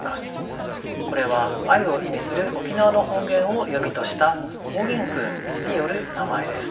これは愛を意味する沖縄の方言を読みとした方言訓による名前です。